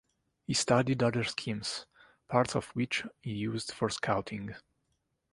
He studied other schemes, parts of which he used for Scouting.